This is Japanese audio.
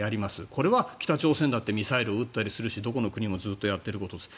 これは北朝鮮だってミサイルを撃ったりするしどこの国もずっとやってることです。